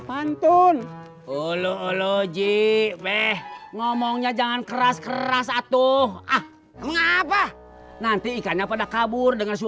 pantun olo oloji beh ngomongnya jangan keras keras atuh ah mengapa nanti ikannya pada kabur dengan